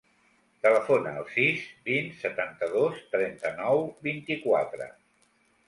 Telefona al sis, vint, setanta-dos, trenta-nou, vint-i-quatre.